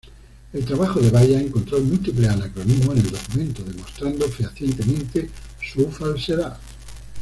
El trabajo de Valla encontró múltiples anacronismos en el documento, demostrando fehacientemente su falsedad.